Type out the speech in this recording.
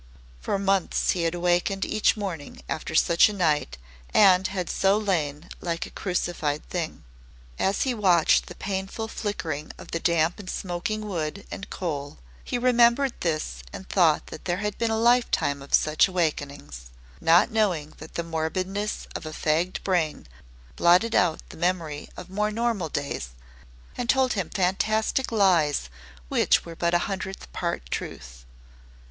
For months he had awakened each morning after such a night and had so lain like a crucified thing. As he watched the painful flickering of the damp and smoking wood and coal he remembered this and thought that there had been a lifetime of such awakenings, not knowing that the morbidness of a fagged brain blotted out the memory of more normal days and told him fantastic lies which were but a hundredth part truth.